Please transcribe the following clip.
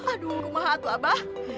aduh maha tuh abah